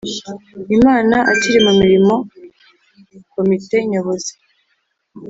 Imana akiri mu mirimo Komite Nyobozi